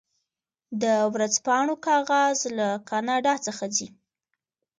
د ورځپاڼو کاغذ له کاناډا څخه ځي.